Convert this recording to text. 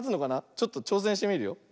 ちょっとちょうせんしてみるよ。